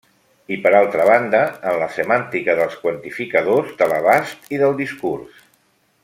I per altra banda en la semàntica dels quantificadors, de l'abast i del discurs.